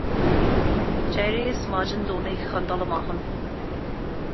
D'éiríos maidin Domhnaigh chun dul amach ann.